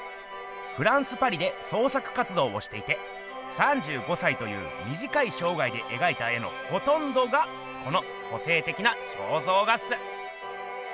フランスパリで創作活動をしていて３５歳というみじかいしょうがいでえがいた絵のほとんどがこの個性的な肖像画っす。